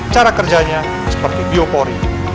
cara kerjanya seperti biopori